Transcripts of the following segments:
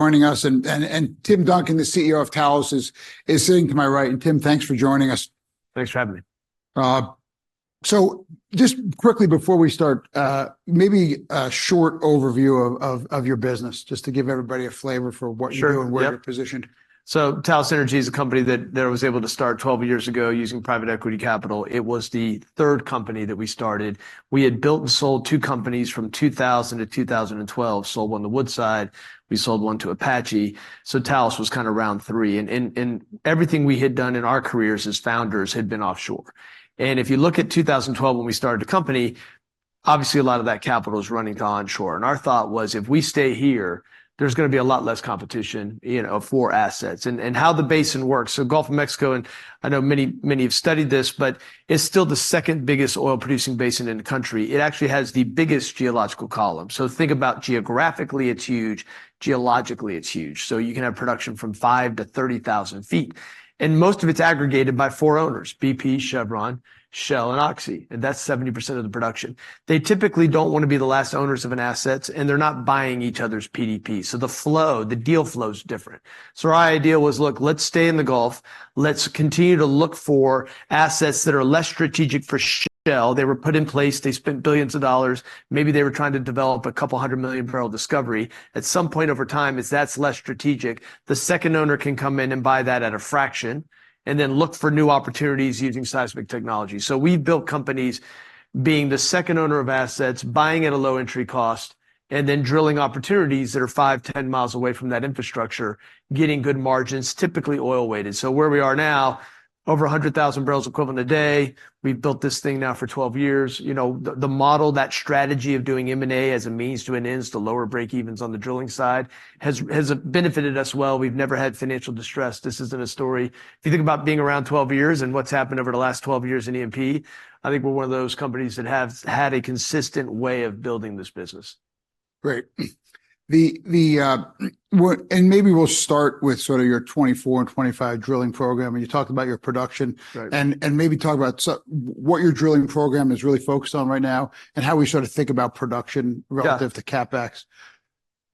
joining us, and Tim Duncan, the CEO of Talos, is sitting to my right. Tim, thanks for joining us. Thanks for having me. So just quickly before we start, maybe a short overview of your business, just to give everybody a flavor for what- Sure, yep... you do and where you're positioned. So Talos Energy is a company that I was able to start 12 years ago using private equity capital. It was the third company that we started. We had built and sold two companies from 2000 to 2012, sold one to Woodside, we sold one to Apache. So Talos was kind of round three, and everything we had done in our careers as founders had been offshore. And if you look at 2012, when we started the company, obviously, a lot of that capital was running to onshore, and our thought was, "If we stay here, there's gonna be a lot less competition, you know, for assets." And how the basin works. So Gulf of Mexico, and I know many, many have studied this, but it's still the second-biggest oil-producing basin in the country. It actually has the biggest geological column. So think about geographically, it's huge. Geologically, it's huge. So you can have production from five to 30,000 feet, and most of it's aggregated by four owners: BP, Chevron, Shell, and Oxy, and that's 70% of the production. They typically don't want to be the last owners of an asset, and they're not buying each other's PDP, so the flow, the deal flow's different. So our idea was, "Look, let's stay in the Gulf. Let's continue to look for assets that are less strategic for Shell." They were put in place, they spent billions of dollars. Maybe they were trying to develop a couple of 100 million-barrel discovery. At some point over time, if that's less strategic, the second owner can come in and buy that at a fraction, and then look for new opportunities using seismic technology. So we've built companies being the second owner of assets, buying at a low entry cost, and then drilling opportunities that are 5, 10 miles away from that infrastructure, getting good margins, typically oil weighted. So where we are now, over 100,000 barrels equivalent a day. We've built this thing now for 12 years. You know, the model, that strategy of doing M&A as a means to an ends to lower breakevens on the drilling side has benefited us well. We've never had financial distress. This isn't a story. If you think about being around 12 years and what's happened over the last 12 years in E&P, I think we're one of those companies that have had a consistent way of building this business. Great. And maybe we'll start with sort of your 2024 and 2025 drilling program, and you talked about your production. Right. Maybe talk about what your drilling program is really focused on right now, and how we sort of think about production- Yeah... relative to CapEx.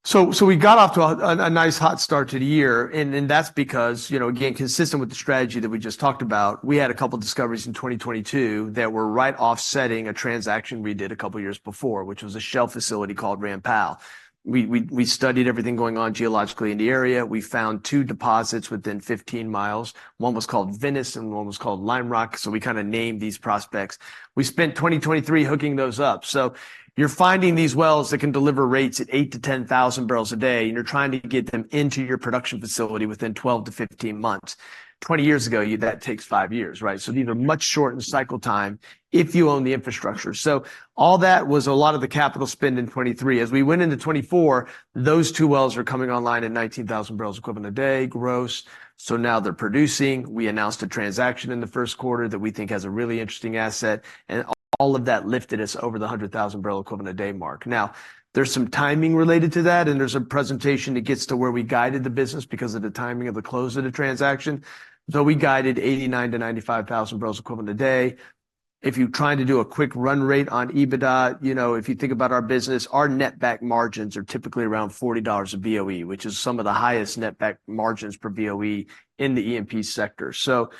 So we got off to a nice hot start to the year, and that's because, you know, again, consistent with the strategy that we just talked about, we had a couple discoveries in 2022 that were right offsetting a transaction we did a couple of years before, which was a Shell facility called Ram Powell. We studied everything going on geologically in the area. We found two deposits within 15 miles. One was called Venice, and one was called Lime Rock, so we kind of named these prospects. We spent 2023 hooking those up. So you're finding these wells that can deliver rates at 8,000-10,000 barrels a day, and you're trying to get them into your production facility within 12-15 months. 20 years ago, that takes 5 years, right? Mm-hmm. These are much shortened cycle time if you own the infrastructure. All that was a lot of the capital spend in 2023. As we went into 2024, those two wells are coming online at 19,000 barrels equivalent a day gross, so now they're producing. We announced a transaction in the first quarter that we think has a really interesting asset, and all of that lifted us over the 100,000 barrel equivalent a day mark. Now, there's some timing related to that, and there's a presentation that gets to where we guided the business because of the timing of the close of the transaction. We guided 89,000-95,000 barrels equivalent a day. If you're trying to do a quick run rate on EBITDA, you know, if you think about our business, our netback margins are typically around $40 a BOE, which is some of the highest netback margins per BOE in the E&P sector. So,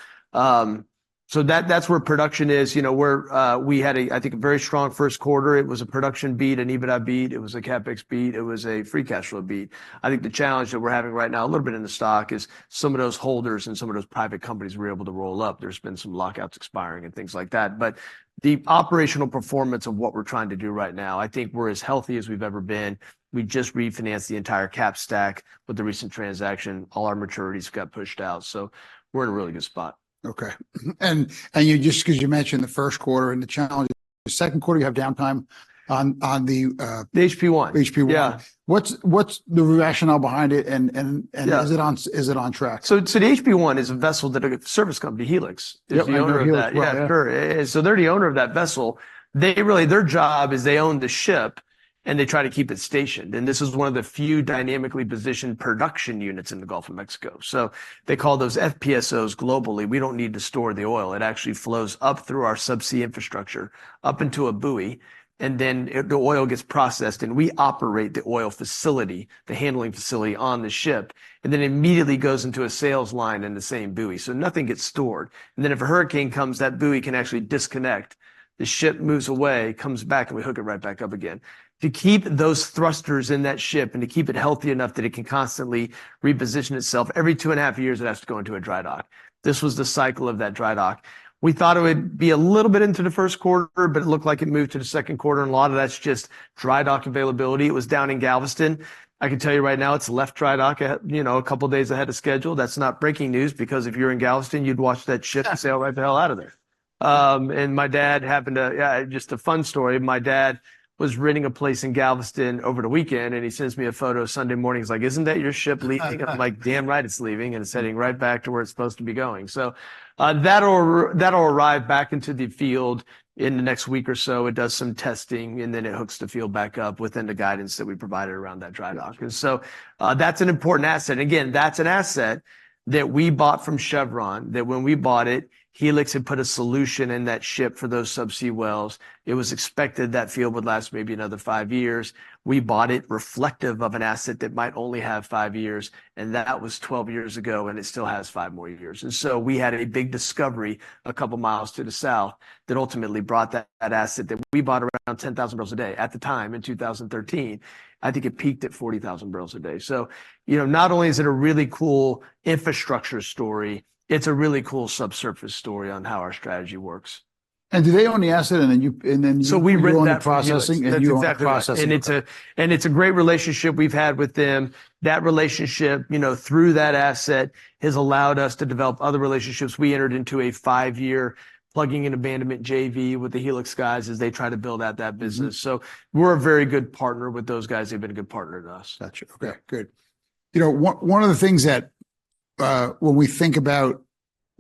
so that, that's where production is. You know, we're. We had, I think, a very strong first quarter. It was a production beat, an EBITDA beat. It was a CapEx beat. It was a free cash flow beat. I think the challenge that we're having right now, a little bit in the stock, is some of those holders and some of those private companies we were able to roll up, there's been some lock-ups expiring and things like that. But the operational performance of what we're trying to do right now, I think we're as healthy as we've ever been. We just refinanced the entire cap stack with the recent transaction. All our maturities got pushed out, so we're in a really good spot. Okay. And you just 'cause you mentioned the first quarter and the challenge, the second quarter, you have downtime on the, The HP-I. HP-I. Yeah. What's the rationale behind it, and- Yeah... is it on, is it on track? So, the HP-I is a vessel that a service company, Helix- Yep, I know Helix.... is the owner of that. Yeah. Sure. So they're the owner of that vessel. They really, their job is they own the ship, and they try to keep it stationed, and this is one of the few dynamically positioned production units in the Gulf of Mexico. So they call those FPSOs globally. We don't need to store the oil. It actually flows up through our subsea infrastructure, up into a buoy, and then it, the oil gets processed, and we operate the oil facility, the handling facility on the ship, and then immediately goes into a sales line in the same buoy, so nothing gets stored. And then, if a hurricane comes, that buoy can actually disconnect. The ship moves away, comes back, and we hook it right back up again. To keep those thrusters in that ship and to keep it healthy enough that it can constantly reposition itself, every two and a half years it has to go into a dry dock. This was the cycle of that dry dock. We thought it would be a little bit into the first quarter, but it looked like it moved to the second quarter, and a lot of that's just dry dock availability. It was down in Galveston. I can tell you right now, it's left dry dock at, you know, a couple of days ahead of schedule. That's not breaking news, because if you're in Galveston, you'd watch that ship- Yeah... sail right the hell out of there. And my dad happened to... Yeah, just a fun story. My dad was renting a place in Galveston over the weekend, and he sends me a photo Sunday morning. He's like: "Isn't that your ship leaving?" I'm like, "Damn right, it's leaving, and it's heading right back to where it's supposed to be going." So, that'll arrive back into the field in the next week or so. It does some testing, and then it hooks the field back up within the guidance that we provided around that dry dock. Yeah. And so, that's an important asset. And again, that's an asset that we bought from Chevron, that when we bought it, Helix had put a solution in that ship for those subsea wells. It was expected that field would last maybe another five years. We bought it reflective of an asset that might only have five years, and that was 12 years ago, and it still has five more years. And so we had a big discovery a couple of miles to the south that ultimately brought that asset, that we bought around 10,000 barrels a day, at the time, in 2013. I think it peaked at 40,000 barrels a day. So, you know, not only is it a really cool infrastructure story, it's a really cool subsurface story on how our strategy works.... do they own the asset, and then you? We rent that from Helix. You own the processing, and you own the processing? That's exactly right. Okay. And it's a great relationship we've had with them. That relationship, you know, through that asset, has allowed us to develop other relationships. We entered into a five-year plugging and abandonment JV with the Helix guys as they try to build out that business. Mm-hmm. We're a very good partner with those guys. They've been a good partner to us. Gotcha. Yeah. Okay, good. You know, one of the things that, when we think about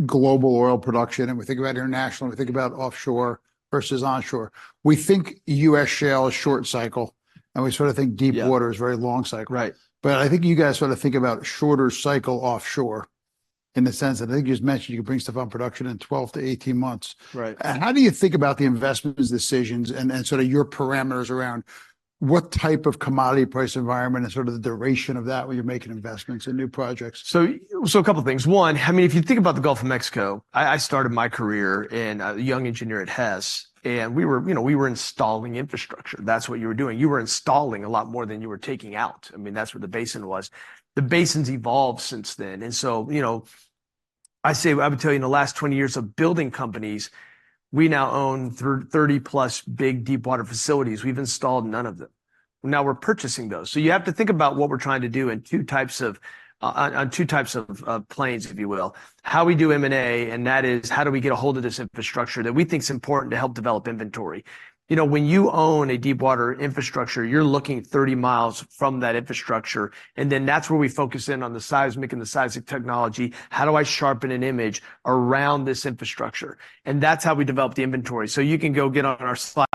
global oil production, and we think about international, and we think about offshore versus onshore, we think U.S. shale is short cycle, and we sort of think- Yeah... deepwater is very long cycle. Right. I think you guys sort of think about shorter cycle offshore, in the sense that I think you just mentioned, you can bring stuff on production in 12-18 months. Right. How do you think about the investment decisions and sort of your parameters around what type of commodity price environment and sort of the duration of that when you're making investments in new projects? So, so a couple things. One, I mean, if you think about the Gulf of Mexico, I started my career as a young engineer at Hess, and we were, you know, we were installing infrastructure. That's what you were doing. You were installing a lot more than you were taking out. I mean, that's what the basin was. The basin's evolved since then, and so, you know, I'd say... I would tell you, in the last 20 years of building companies, we now own 30-plus big deepwater facilities. We've installed none of them. Now we're purchasing those. So you have to think about what we're trying to do in two types of planes, if you will. How we do M&A, and that is, how do we get ahold of this infrastructure that we think is important to help develop inventory? You know, when you own a deepwater infrastructure, you're looking 30 miles from that infrastructure, and then that's where we focus in on the seismic and the seismic technology. How do I sharpen an image around this infrastructure? And that's how we develop the inventory. So you can go get on our slide.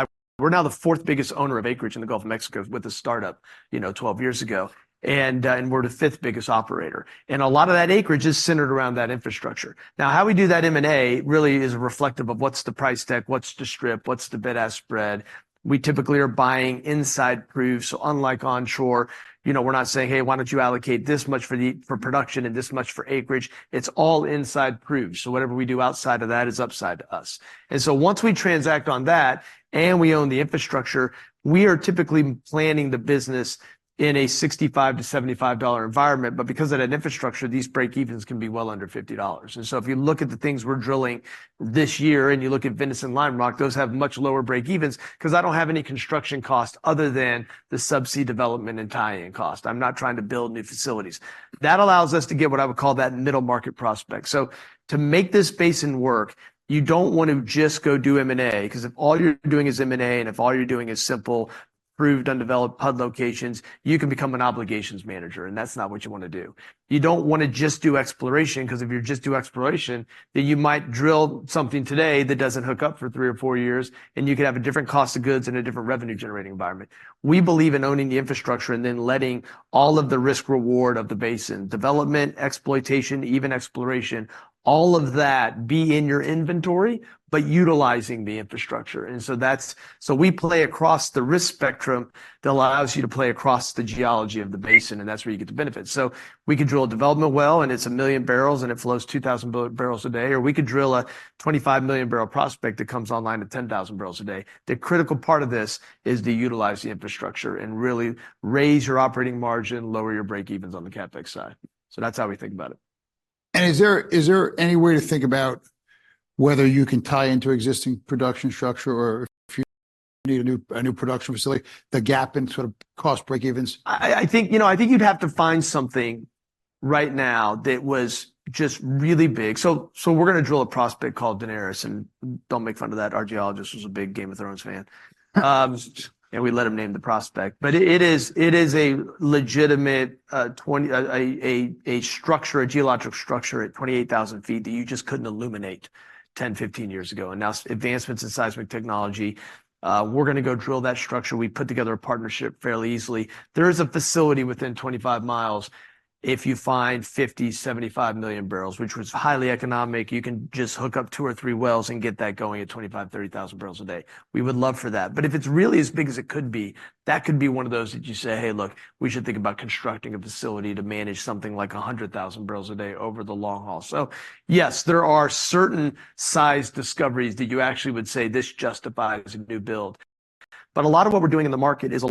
We're now the fourth-biggest owner of acreage in the Gulf of Mexico with a startup, you know, 12 years ago. And, and we're the fifth-biggest operator. And a lot of that acreage is centered around that infrastructure. Now, how we do that M&A really is reflective of what's the price deck, what's the strip, what's the bid-ask spread? We typically are buying inside proveds, so unlike onshore, you know, we're not saying, "Hey, why don't you allocate this much for the, for production and this much for acreage?" It's all inside proveds, so whatever we do outside of that is upside to us. And so once we transact on that, and we own the infrastructure, we are typically planning the business in a $65-$75 environment, but because of that infrastructure, these breakevens can be well under $50. And so if you look at the things we're drilling this year, and you look at Venice, Lime Rock, those have much lower breakevens 'cause I don't have any construction costs other than the subsea development and tie-in cost. I'm not trying to build new facilities. That allows us to get what I would call that middle market prospect. So to make this basin work, you don't want to just go do M&A, 'cause if all you're doing is M&A, and if all you're doing is simple, proved, undeveloped hub locations, you can become an obligations manager, and that's not what you wanna do. You don't wanna just do exploration, 'cause if you just do exploration, then you might drill something today that doesn't hook up for three or four years, and you could have a different cost of goods and a different revenue-generating environment. We believe in owning the infrastructure and then letting all of the risk reward of the basin, development, exploitation, even exploration, all of that be in your inventory, but utilizing the infrastructure. And so that's so we play across the risk spectrum that allows you to play across the geology of the basin, and that's where you get the benefit. So we could drill a development well, and it's 1 million barrels, and it flows 2,000 barrels a day, or we could drill a 25 million barrel prospect that comes online at 10,000 barrels a day. The critical part of this is to utilize the infrastructure and really raise your operating margin, lower your breakevens on the CapEx side. So that's how we think about it. Is there any way to think about whether you can tie into existing production structure or if you need a new production facility, the gap in sort of cost breakevens? I think, you know, I think you'd have to find something right now that was just really big. So we're gonna drill a prospect called Daenerys, and don't make fun of that. Our geologist was a big Game of Thrones fan. And we let him name the prospect. But it is a legitimate structure, a geological structure at 28,000 feet that you just couldn't illuminate 10-15 years ago. And now, advancements in seismic technology, we're gonna go drill that structure. We put together a partnership fairly easily. There is a facility within 25 miles if you find 50-75 million barrels, which was highly economic. You can just hook up two or three wells and get that going at 25-30,000 barrels a day. We would love for that. But if it's really as big as it could be, that could be one of those that you say, "Hey, look, we should think about constructing a facility to manage something like 100,000 barrels a day over the long haul." So yes, there are certain size discoveries that you actually would say, "This justifies a new build." But a lot of what we're doing in the market is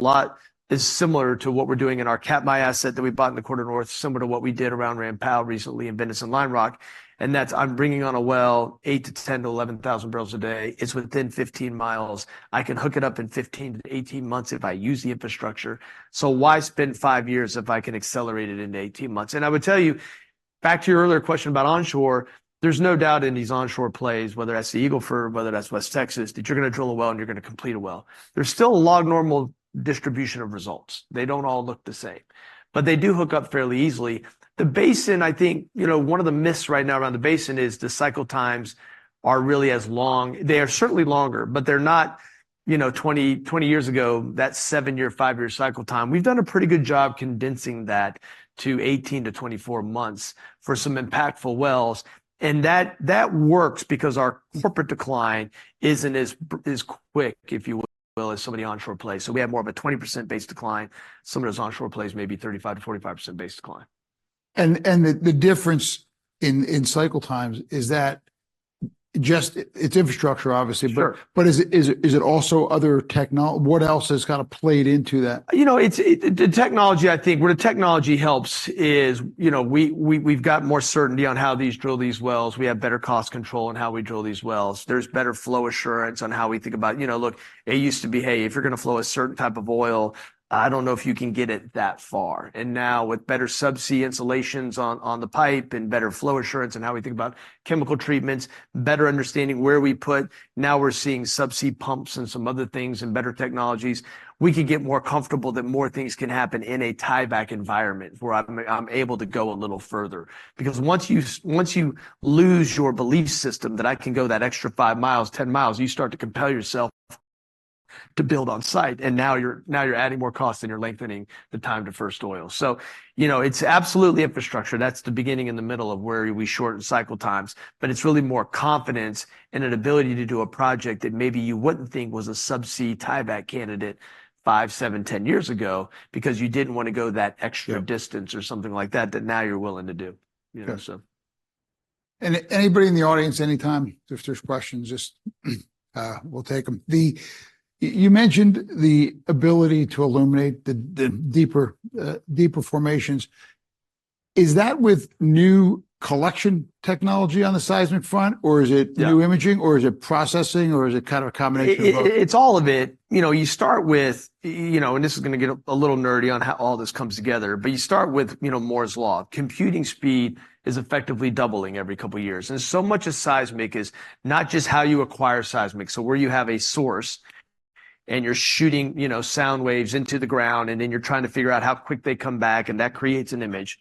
similar to what we're doing in our Katmai asset that we bought in the QuarterNorth, similar to what we did around Ram Powell recently in Venice, Lime Rock, and that's, I'm bringing on a well, 8,000 to 10,000 to 11,000 barrels a day. It's within 15 miles. I can hook it up in 15-18 months if I use the infrastructure. So why spend 5 years if I can accelerate it into 18 months? I would tell you, back to your earlier question about onshore, there's no doubt in these onshore plays, whether that's the Eagle Ford, whether that's West Texas, that you're gonna drill a well, and you're gonna complete a well. There's still a log-normal distribution of results. They don't all look the same, but they do hook up fairly easily. The basin, I think, you know, one of the myths right now around the basin is the cycle times are really as long. They are certainly longer, but they're not, you know, 20, 20 years ago, that 7-year, 5-year cycle time. We've done a pretty good job condensing that to 18-24 months for some impactful wells, and that works because our corporate decline isn't as bad as quick, if you will, as so many onshore plays. We have more of a 20% base decline, some of those onshore plays may be 35%-45% base decline.... And the difference in cycle times is that it's infrastructure, obviously. Sure. But is it also other technol- what else has kind of played into that? You know, it's the technology, I think, where the technology helps is, you know, we've got more certainty on how these drill these wells. We have better cost control on how we drill these wells. There's better flow assurance on how we think about... You know, look, it used to be, "Hey, if you're gonna flow a certain type of oil, I don't know if you can get it that far." And now, with better subsea insulations on the pipe and better flow assurance in how we think about chemical treatments, better understanding where we put, now we're seeing subsea pumps and some other things and better technologies. We can get more comfortable that more things can happen in a tieback environment, where I'm able to go a little further. Because once you lose your belief system that I can go that extra five miles, 10 miles, you start to compel yourself to build on site, and now you're, now you're adding more cost, and you're lengthening the time to first oil. So, you know, it's absolutely infrastructure. That's the beginning and the middle of where we shorten cycle times, but it's really more confidence in an ability to do a project that maybe you wouldn't think was a subsea tieback candidate five, seven, 10 years ago because you didn't wanna go that extra- Yeah... distance or something like that, that now you're willing to do. Okay. You know, so. And anybody in the audience, anytime, if there's questions, just we'll take them. You mentioned the ability to illuminate the deeper formations. Is that with new collection technology on the seismic front, or is it- Yeah... new imaging, or is it processing, or is it kind of a combination of both? It's all of it. You know, you start with, you know, and this is gonna get a little nerdy on how all this comes together. But you start with, you know, Moore's Law. Computing speed is effectively doubling every couple of years, and so much of seismic is not just how you acquire seismic, so where you have a source, and you're shooting, you know, sound waves into the ground, and then you're trying to figure out how quick they come back, and that creates an image.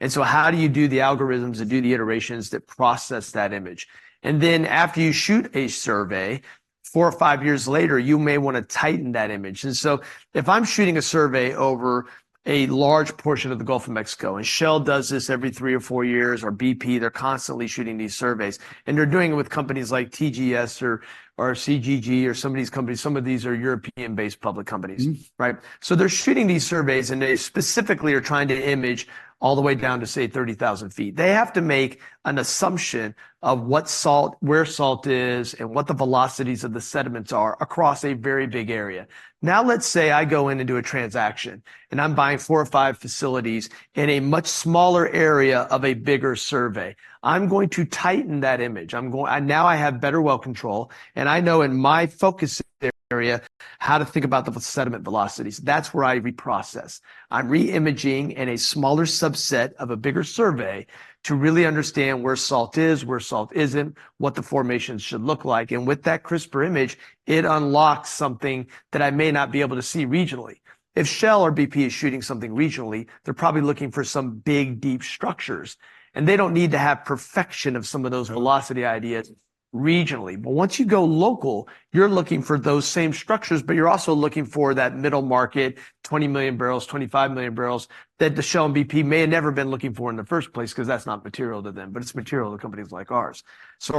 And so how do you do the algorithms that do the iterations that process that image? And then, after you shoot a survey, four or five years later, you may wanna tighten that image. So, if I'm shooting a survey over a large portion of the Gulf of Mexico, and Shell does this every three or four years, or BP, they're constantly shooting these surveys. They're doing it with companies like TGS or, or CGG, or some of these companies. Some of these are European-based public companies. Mm. Right? So they're shooting these surveys, and they specifically are trying to image all the way down to, say, 30,000 feet. They have to make an assumption of what salt- where salt is and what the velocities of the sediments are across a very big area. Now, let's say I go in and do a transaction, and I'm buying four or five facilities in a much smaller area of a bigger survey. I'm going to tighten that image. I'm going... I, now I have better well control, and I know in my focus area, how to think about the sediment velocities. That's where I reprocess. I'm re-imaging in a smaller subset of a bigger survey to really understand where salt is, where salt isn't, what the formations should look like, and with that crisper image, it unlocks something that I may not be able to see regionally. If Shell or BP is shooting something regionally, they're probably looking for some big, deep structures, and they don't need to have perfection of some of those velocity ideas regionally. But once you go local, you're looking for those same structures, but you're also looking for that middle market, 20 million barrels, 25 million barrels, that the Shell and BP may have never been looking for in the first place 'cause that's not material to them, but it's material to companies like ours. So,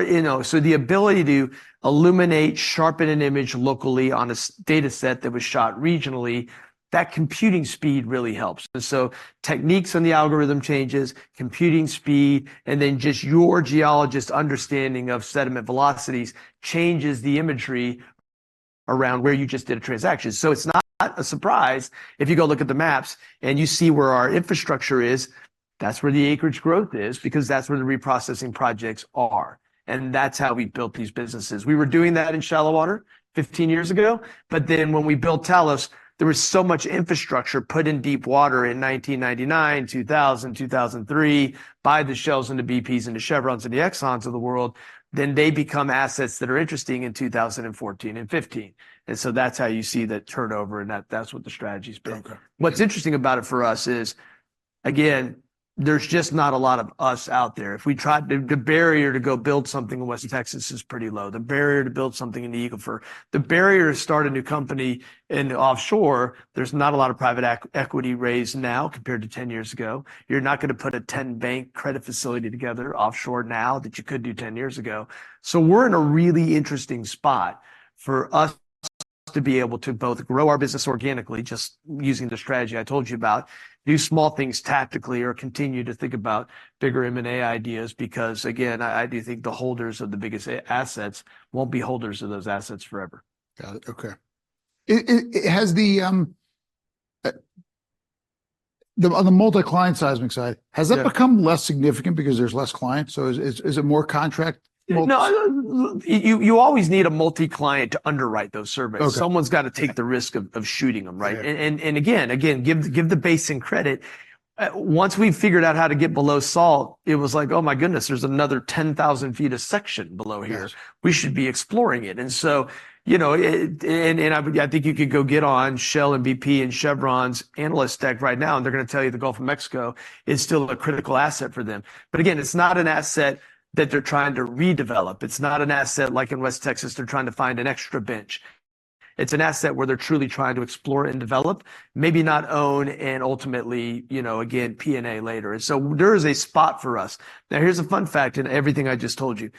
you know, the ability to illuminate, sharpen an image locally on a seismic data set that was shot regionally, that computing speed really helps. And so techniques on the algorithm changes, computing speed, and then just your geologist understanding of sediment velocities changes the imagery around where you just did a transaction. So it's not a surprise if you go look at the maps, and you see where our infrastructure is. That's where the acreage growth is because that's where the reprocessing projects are, and that's how we've built these businesses. We were doing that in shallow water 15 years ago, but then, when we built Talos, there was so much infrastructure put in deep water in 1999, 2000, 2003, by the Shells and the BPs and the Chevrons and the Exxons of the world, then they become assets that are interesting in 2014 and 2015. And so that's how you see the turnover, and that, that's what the strategy's been. Okay. What's interesting about it for us is, again, there's just not a lot of us out there. If we tried... The barrier to go build something in West Texas is pretty low. The barrier to build something in the Eagle Ford - the barrier to start a new company in the offshore, there's not a lot of private equity raised now compared to 10 years ago. You're not gonna put a 10-bank credit facility together offshore now, that you could do 10 years ago. So we're in a really interesting spot for us to be able to both grow our business organically, just using the strategy I told you about, do small things tactically, or continue to think about bigger M&A ideas because, again, I do think the holders of the biggest assets won't be holders of those assets forever. Got it. Okay. Has the, the, on the multi-client seismic side- Yeah... has that become less significant because there's less clients, so is it more contract folks? No, you always need a multi-client to underwrite those surveys. Okay. Someone's gotta take the risk of shooting them, right? Yeah. And again, give the basin credit. Once we've figured out how to get below salt, it was like, "Oh, my goodness, there's another 10,000 feet of section below here. Yes. We should be exploring it." And so, you know, and I think you could go get on Shell and BP and Chevron's analyst deck right now, and they're gonna tell you the Gulf of Mexico is still a critical asset for them. But again, it's not an asset that they're trying to redevelop. It's not an asset, like in West Texas, they're trying to find an extra bench. It's an asset where they're truly trying to explore and develop, maybe not own, and ultimately, you know, again, P&A later. And so there is a spot for us. Now, here's a fun fact in everything I just told you.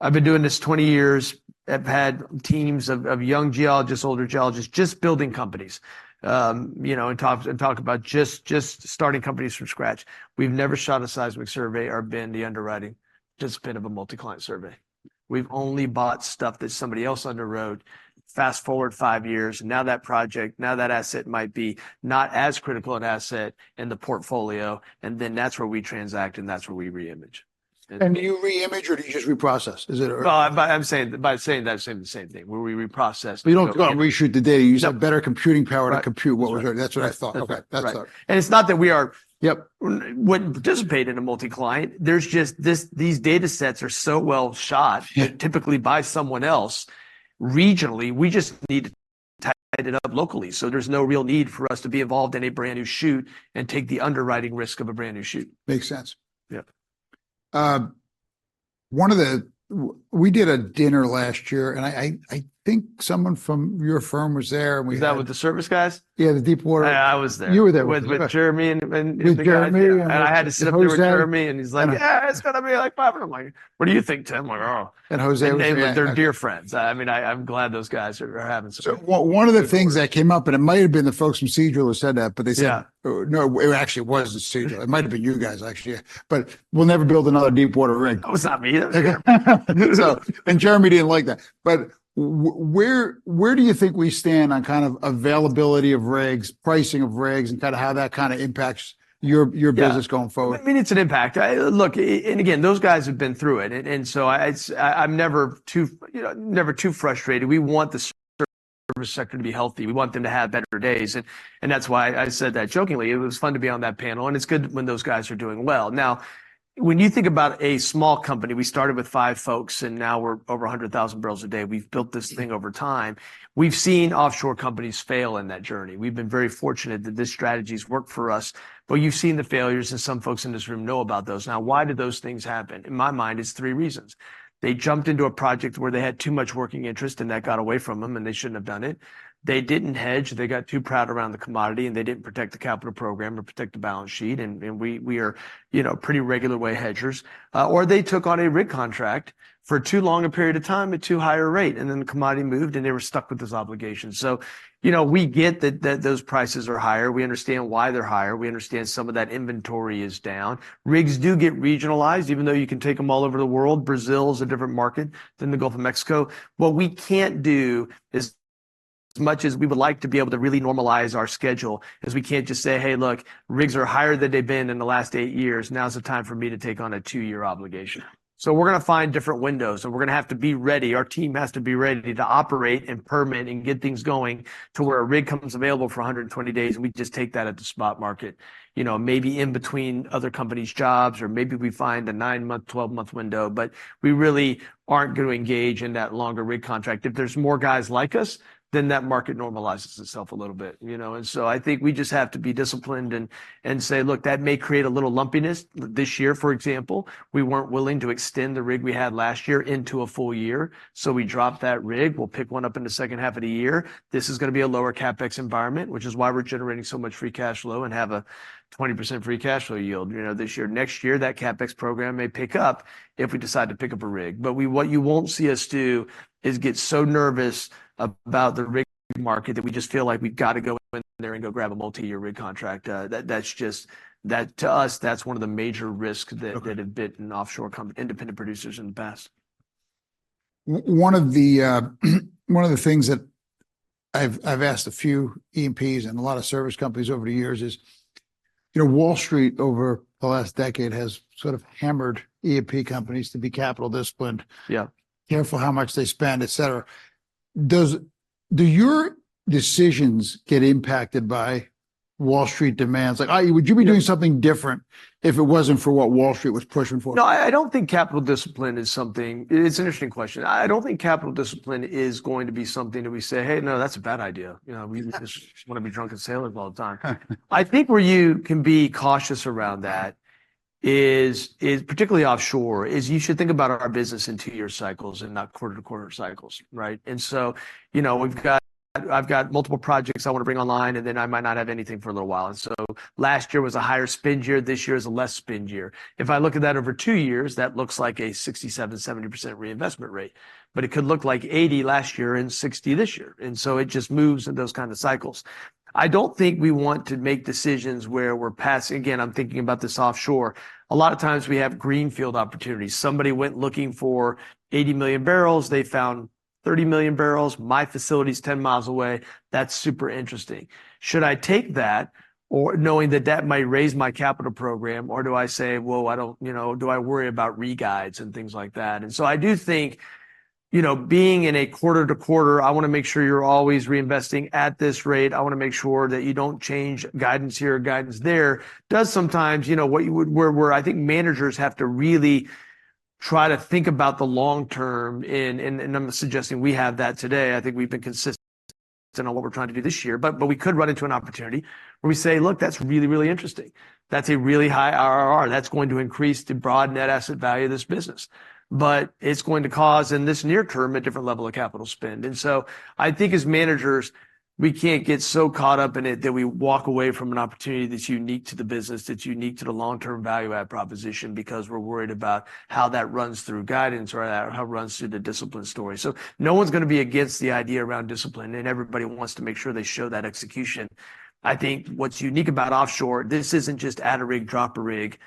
I've been doing this 20 years. I've had teams of young geologists, older geologists, just building companies. You know, and talk about just starting companies from scratch. We've never shot a seismic survey or been the underwriting participant of a multi-client survey. We've only bought stuff that somebody else underwrote. Fast-forward 5 years, now that project, now that asset might be not as critical an asset in the portfolio, and then that's where we transact, and that's where we re-image. And- Do you re-image or do you just reprocess? Is it, or- Well, I'm saying... By saying that, I'm saying the same thing, where we reprocess- But you don't go and reshoot the data. Yeah. You just have better computing power- Right... to compute what was there. Right. That's what I thought. That's right. Okay. That's thought. And it's not that we are- Yep... wouldn't participate in a multi-client, there's just, these data sets are so well shot- Yeah... typically by someone else, regionally, we just need to tie it up locally. So there's no real need for us to be involved in a brand-new shoot and take the underwriting risk of a brand-new shoot. Makes sense. Yep. We did a dinner last year, and I think someone from your firm was there, and we had- Was that with the service guys? Yeah, the deepwater. Yeah, I was there. You were there- With Jeremy, and the guy- With Jeremy? Yeah. I had to sit up here with Jeremy- And Jose... and he's like, "Yeah, it's gonna be like," and I'm like, "What do you think, Tim?" I'm like, "Oh. And Jose- They're dear friends. I mean, I'm glad those guys are having success. One of the things that came up, and it might have been the folks from Seadrill who said that, but they said- Yeah... no, it actually wasn't Seadrill. It might have been you guys, actually, yeah. But we'll never build another deepwater rig. Oh, it's not me, that was them. So, and Jeremy didn't like that. But where, where do you think we stand on kind of availability of rigs, pricing of rigs, and kinda how that kinda impacts your- Yeah... your business going forward? I mean, it's an impact. I look, and again, those guys have been through it, and so I'm never too far, you know, never too frustrated. We want the service sector to be healthy. We want them to have better days, and that's why I said that jokingly. It was fun to be on that panel, and it's good when those guys are doing well. Now, when you think about a small company, we started with five folks, and now we're over 100,000 barrels a day. We've built this thing over time. We've seen offshore companies fail in that journey. We've been very fortunate that this strategy's worked for us, but you've seen the failures, and some folks in this room know about those. Now, why do those things happen? In my mind, it's three reasons. They jumped into a project where they had too much working interest, and that got away from them, and they shouldn't have done it. They didn't hedge, they got too proud around the commodity, and they didn't protect the capital program or protect the balance sheet, and we are, you know, pretty regular way hedgers. Or they took on a rig contract for too long a period of time at too high a rate, and then the commodity moved, and they were stuck with this obligation. So, you know, we get that those prices are higher. We understand why they're higher, we understand some of that inventory is down. Rigs do get regionalized, even though you can take them all over the world. Brazil is a different market than the Gulf of Mexico. What we can't do, as much as we would like to be able to really normalize our schedule, is we can't just say, "Hey, look, rigs are higher than they've been in the last 8 years. Now is the time for me to take on a 2-year obligation." So we're gonna find different windows, and we're gonna have to be ready. Our team has to be ready to operate and permit and get things going, to where a rig comes available for 120 days, and we just take that at the spot market. You know, maybe in between other companies' jobs, or maybe we find a 9-month, 12-month window. But we really aren't gonna engage in that longer rig contract. If there's more guys like us, then that market normalizes itself a little bit, you know? And so I think we just have to be disciplined and say, "Look, that may create a little lumpiness." This year, for example, we weren't willing to extend the rig we had last year into a full year, so we dropped that rig. We'll pick one up in the second half of the year. This is gonna be a lower CapEx environment, which is why we're generating so much free cash flow and have a 20% free cash flow yield, you know, this year. Next year, that CapEx program may pick up if we decide to pick up a rig. But we, what you won't see us do is get so nervous about the rig market, that we just feel like we've got to go in there and go grab a multi-year rig contract. That's just... That, to us, that's one of the major risks that- Okay... that have bid in offshore independent producers in the past. One of the things that I've asked a few E&Ps and a lot of service companies over the years is, you know, Wall Street, over the last decade, has sort of hammered E&P companies to be capital disciplined- Yeah... careful how much they spend, et cetera. Do your decisions get impacted by Wall Street demands? Like, i.e., would you- Yeah... be doing something different if it wasn't for what Wall Street was pushing for? No, I don't think capital discipline is something... It's an interesting question. I don't think capital discipline is going to be something that we say, "Hey, no, that's a bad idea." You know, we just wanna be drunk and sail it all the time. I think where you can be cautious around that is particularly offshore, you should think about our business in two-year cycles and not quarter-to-quarter cycles, right? And so, you know, I've got multiple projects I wanna bring online, and then I might not have anything for a little while. And so last year was a higher spend year, this year is a less spend year. If I look at that over two years, that looks like a 67%-70% reinvestment rate, but it could look like 80% last year and 60% this year, and so it just moves in those kind of cycles. I don't think we want to make decisions where we're passing... Again, I'm thinking about this offshore. A lot of times, we have greenfield opportunities. Somebody went looking for 80 million barrels, they found 30 million barrels. My facility's 10 miles away. That's super interesting. Should I take that, or knowing that that might raise my capital program, or do I say, "Well, I don't..." You know, do I worry about re-guides and things like that? And so I do think, you know, being in a quarter-to-quarter, I wanna make sure you're always reinvesting at this rate. I wanna make sure that you don't change guidance here, or guidance there. So sometimes, you know, where I think managers have to really try to think about the long term. And I'm suggesting we have that today. I think we've been consistent on what we're trying to do this year. But we could run into an opportunity where we say, "Look, that's really, really interesting. That's a really high IRR. That's going to increase the broad net asset value of this business." But it's going to cause, in this near term, a different level of capital spend. And so I think as managers, we can't get so caught up in it that we walk away from an opportunity that's unique to the business, that's unique to the long-term value-add proposition, because we're worried about how that runs through guidance or how it runs through the discipline story. So no one's gonna be against the idea around discipline, and everybody wants to make sure they show that execution. I think what's unique about offshore, this isn't just add a rig, drop a rig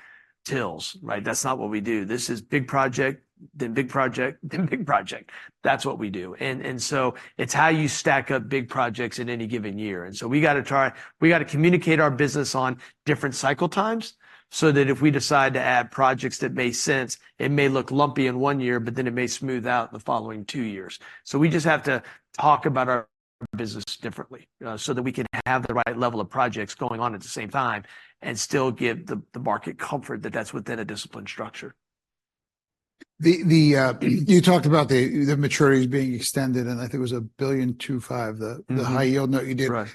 drills, right? That's not what we do. This is big project then big project, then big project. That's what we do. And, and so it's how you stack up big projects in any given year. And so we gotta we gotta communicate our business on different cycle times, so that if we decide to add projects that make sense, it may look lumpy in one year, but then it may smooth out in the following two years. We just have to talk about our business differently, so that we can have the right level of projects going on at the same time, and still give the market comfort that that's within a disciplined structure. You talked about the maturities being extended, and I think it was 2025, the- Mm-hmm... the high-yield note you did. Right.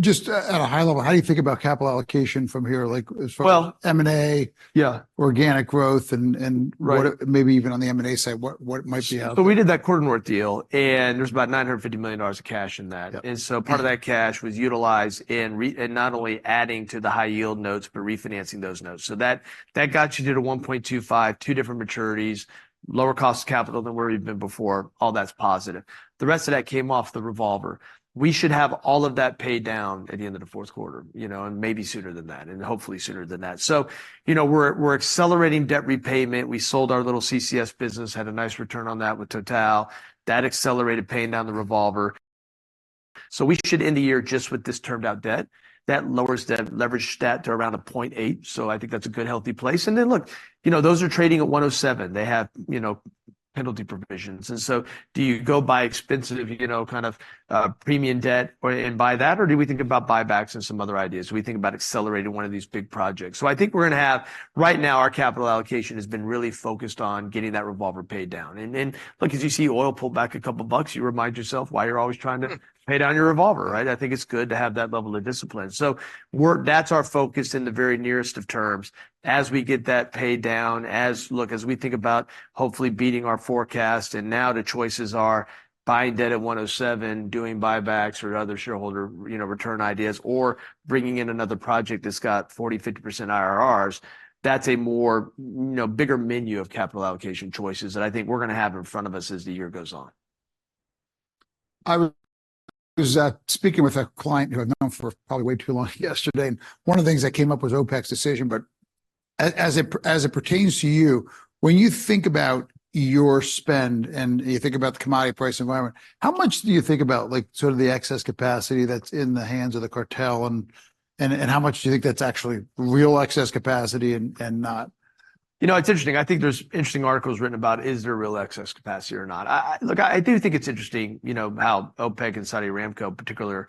Just, at a high level, how do you think about capital allocation from here, like, as far as- Well-... M&A- Yeah... organic growth Right... what, maybe even on the M&A side, what, what might be happening? So we did that QuarterNorth deal, and there's about $950 million of cash in that. Yeah. And so part of that cash was utilized in not only adding to the high-yield notes, but refinancing those notes. So that got you to the 1.25, two different maturities, lower cost of capital than where we've been before, all that's positive. The rest of that came off the revolver. We should have all of that paid down at the end of the fourth quarter, you know, and maybe sooner than that, and hopefully sooner than that. So, you know, we're accelerating debt repayment. We sold our little CCS business, had a nice return on that with Total. That accelerated paying down the revolver. So we should end the year just with this termed-out debt. That lowers debt leverage to around a 0.8, so I think that's a good, healthy place. And then look, you know, those are trading at 107. They have, you know, penalty provisions, and so do you go buy expensive, you know, kind of premium debt or, and buy that, or do we think about buybacks and some other ideas? Do we think about accelerating one of these big projects? So I think we're gonna have... Right now, our capital allocation has been really focused on getting that revolver paid down. And, and look, as you see oil pull back a couple bucks, you remind yourself why you're always trying to pay down your revolver, right? I think it's good to have that level of discipline. So we're - that's our focus in the very nearest of terms. As we get that paid down, look, as we think about hopefully beating our forecast, and now the choices are buying debt at 107, doing buybacks or other shareholder, you know, return ideas, or bringing in another project that's got 40%-50% IRRs, that's a more, you know, bigger menu of capital allocation choices that I think we're gonna have in front of us as the year goes on. I was speaking with a client who I've known for probably way too long yesterday, and one of the things that came up was OPEC's decision. But as it pertains to you, when you think about your spend, and you think about the commodity price environment, how much do you think about, like, sort of the excess capacity that's in the hands of the cartel, and how much do you think that's actually real excess capacity and not? You know, it's interesting. I think there's interesting articles written about, is there real excess capacity or not? Look, I do think it's interesting, you know, how OPEC and Saudi Aramco in particular,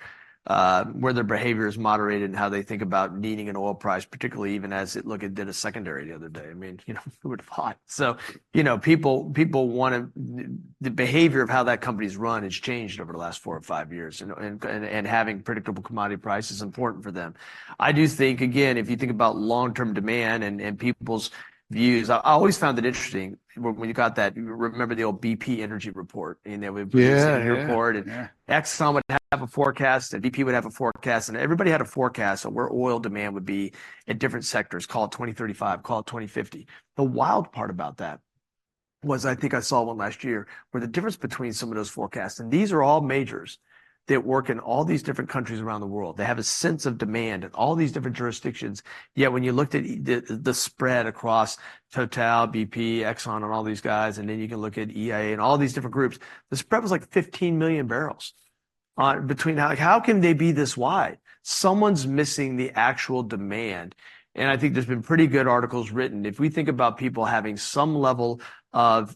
where their behavior is moderated, and how they think about needing an oil price, particularly even as it... Look, it did a secondary the other day. I mean, you know, it would fight. So, you know, people want to the behavior of how that company's run has changed over the last four or five years. And having predictable commodity price is important for them. I do think, again, if you think about long-term demand and people's views, I always found it interesting when you got that, you remember the old BP energy report, and they would- Yeah, yeah... produce a report. Yeah. Exxon would have a forecast, and BP would have a forecast, and everybody had a forecast on where oil demand would be in different sectors, call it 2035, call it 2050. The wild part about that was, I think I saw one last year, where the difference between some of those forecasts, and these are all majors that work in all these different countries around the world. They have a sense of demand in all these different jurisdictions, yet when you looked at the spread across Total, BP, Exxon, and all these guys, and then you can look at EIA and all these different groups, the spread was, like, 15 million barrels between, like... How can they be this wide? Someone's missing the actual demand. And I think there's been pretty good articles written. If we think about people having some level of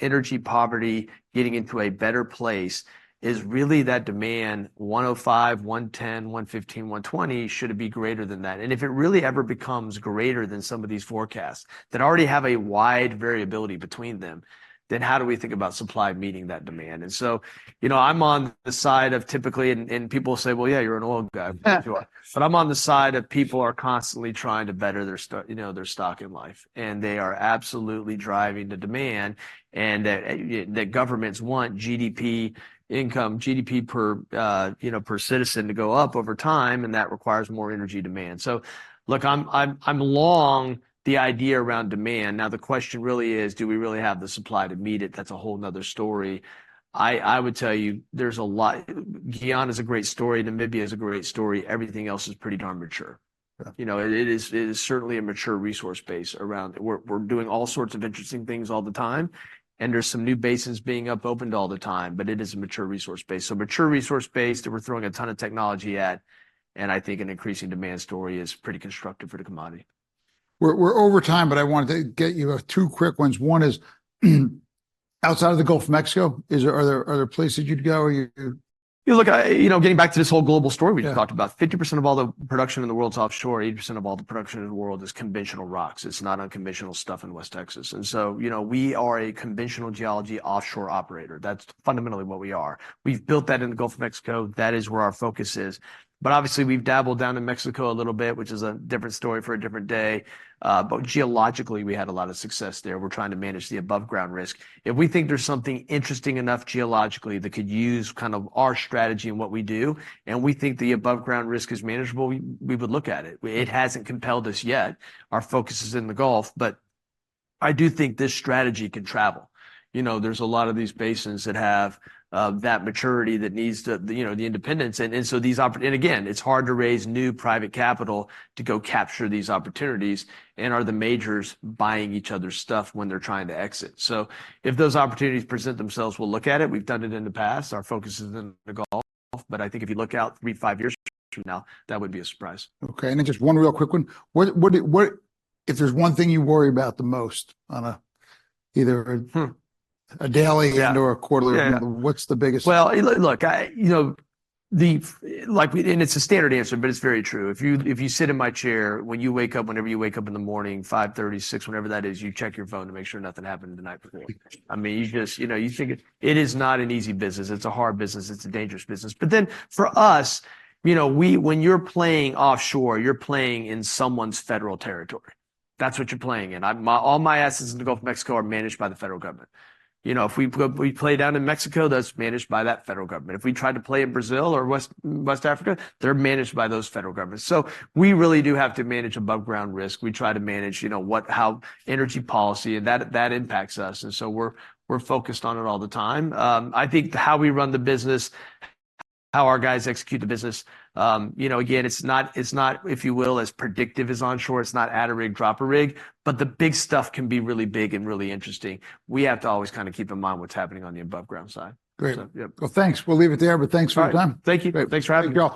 energy poverty, getting into a better place, is really that demand, 105, 110, 115, 120, should it be greater than that? And if it really ever becomes greater than some of these forecasts that already have a wide variability between them, then how do we think about supply meeting that demand? And so, you know, I'm on the side of typically. And people say, "Well, yeah, you're an oil guy—you are." But I'm on the side of people are constantly trying to better their station in life, and they are absolutely driving the demand, and that governments want GDP income, GDP per, you know, per citizen to go up over time, and that requires more energy demand. So look, I'm long the idea around demand. Now, the question really is, do we really have the supply to meet it? That's a whole another story. I, I would tell you, there's a lot- Guyana is a great story, Namibia is a great story, everything else is pretty darn mature. Yeah. You know, it is, it is certainly a mature resource base around... We're, we're doing all sorts of interesting things all the time, and there's some new basins being opened up all the time, but it is a mature resource base. So mature resource base that we're throwing a ton of technology at, and I think an increasing demand story is pretty constructive for the commodity. We're over time, but I wanted to get you two quick ones. One is, outside of the Gulf of Mexico, are there places you'd go, or you- Yeah, look, you know, getting back to this whole global story- Yeah... we just talked about, 50% of all the production in the world's offshore, 80% of all the production in the world is conventional rocks. It's not unconventional stuff in West Texas. And so, you know, we are a conventional geology offshore operator. That's fundamentally what we are. We've built that in the Gulf of Mexico. That is where our focus is. But obviously, we've dabbled down in Mexico a little bit, which is a different story for a different day. But geologically, we had a lot of success there. We're trying to manage the above-ground risk. If we think there's something interesting enough geologically that could use kind of our strategy and what we do, and we think the above-ground risk is manageable, we would look at it. It hasn't compelled us yet. Our focus is in the Gulf. But I do think this strategy can travel. You know, there's a lot of these basins that have that maturity that needs the independence, and so these opportunities and again, it's hard to raise new private capital to go capture these opportunities. And are the majors buying each other's stuff when they're trying to exit? So if those opportunities present themselves, we'll look at it. We've done it in the past. Our focus is in the Gulf, but I think if you look out 3, 5 years from now, that would be a surprise. Okay, and then just one real quick one. What if there's one thing you worry about the most on a, either a- Hmm... a daily- Yeah... or a quarterly view. Yeah. What's the biggest- Well, look, I, you know, like, and it's a standard answer, but it's very true. If you, if you sit in my chair, when you wake up, whenever you wake up in the morning, 5:30 A.M., 6:00 A.M., whenever that is, you check your phone to make sure nothing happened the night before. I mean, you just... You know, you think it is not an easy business. It's a hard business. It's a dangerous business. But then, for us, you know, when you're playing offshore, you're playing in someone's federal territory. That's what you're playing in. I, my, all my assets in the Gulf of Mexico are managed by the federal government. You know, if we play down in Mexico, that's managed by that federal government. If we try to play in Brazil or West Africa, they're managed by those federal governments. So we really do have to manage above-ground risk. We try to manage, you know, what, how energy policy and that impacts us, and so we're focused on it all the time. I think how we run the business, how our guys execute the business, you know, again, it's not, if you will, as predictive as onshore. It's not add a rig, drop a rig, but the big stuff can be really big and really interesting. We have to always kind of keep in mind what's happening on the above ground side. Great. So, yep. Well, thanks. We'll leave it there, but thanks for your time. All right. Thank you. Great. Thanks for having me.